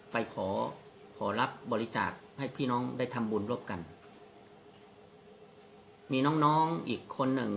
ไปขอขอรับบริจาคให้พี่น้องได้ทำบุญร่วมกันมีน้องน้องอีกคนหนึ่ง